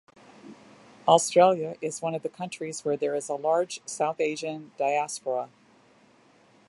Australia is one of the countries where there is a large South Asian Diaspora.